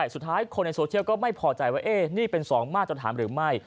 สุดท้ายคนในโซเชียลก็ไม่พอใจว่านี่เป็น๒มาตรฐานหรือไม่